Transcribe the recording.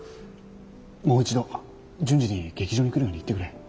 もう一度潤二に劇場に来るように言ってくれ。